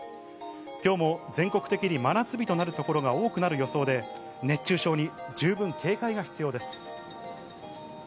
きょうも全国的に真夏日となる所が多くなる予想で、熱中症に十分警戒が必要です。